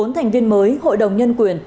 một mươi bốn thành viên mới hội đồng nhân quyền